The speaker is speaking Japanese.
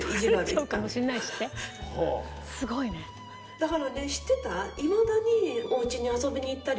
だからね知ってた？